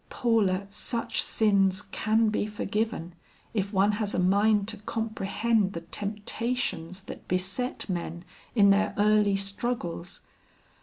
Paula, such sins can be forgiven if one has a mind to comprehend the temptations that beset men in their early struggles.